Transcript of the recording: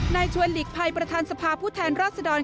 นายชวนหลีกภัยประธานสภาพผู้แทนราชดร